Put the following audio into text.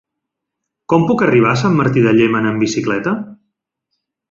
Com puc arribar a Sant Martí de Llémena amb bicicleta?